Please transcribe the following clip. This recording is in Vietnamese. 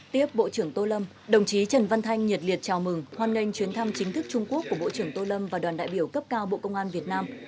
tiếp bộ trưởng tô lâm đồng chí trần văn thanh nhiệt liệt chào mừng hoan nghênh chuyến thăm chính thức trung quốc của bộ trưởng tô lâm và đoàn đại biểu cấp cao bộ công an việt nam